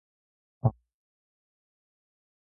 デスクの周りを整理整頓すると、集中力が高まります。